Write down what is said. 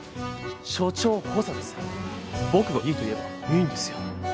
署長補佐です僕がいいと言えばいいんですよ。